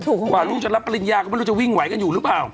กว่าลูกจะรับปริญญาก็ไม่รู้จะวิ่งไหวกันอยู่หรือเปล่า